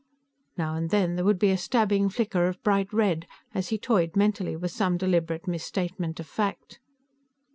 Now and then there would be a stabbing flicker of bright red as he toyed mentally with some deliberate misstatement of fact.